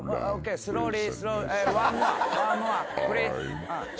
スローリー。